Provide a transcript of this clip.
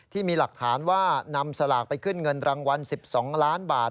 ที่มีหลักฐานว่านำสลากไปขึ้นเงินรางวัล๑๒ล้านบาท